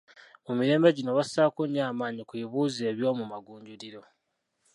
Mu mirembe gino bassaako nnyo amaanyi ku bibuuzo ebyo mu magunjuliro.